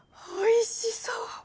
おいしそう。